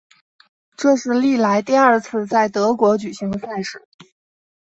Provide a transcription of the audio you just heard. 这是历来第二次在德国举行赛事。